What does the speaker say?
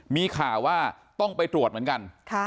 มีข่าวว่าต้องไปตรวจเหมือนกัน